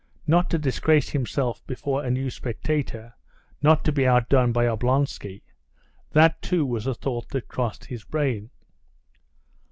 Not to disgrace himself before a new spectator—not to be outdone by Oblonsky—that too was a thought that crossed his brain.